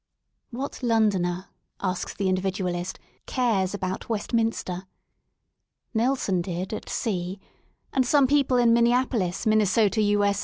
•," What Londoner, asks the Individualist, cares about Westminster? Nelson did at sea, and some people in Minneapolis, Minnesota, U.S.